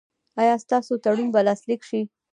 ایا ستاسو تړون به لاسلیک شي؟